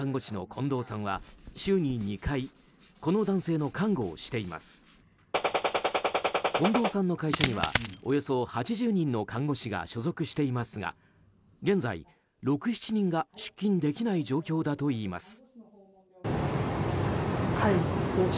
近藤さんの会社にはおよそ８０人の看護師が所属していますが現在６７人が出勤できない状況だといいます。